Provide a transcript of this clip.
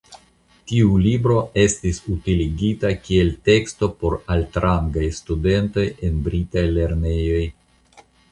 Tiu libro estis utiligita kiel teksto por altrangaj studentoj en britaj lernejoj.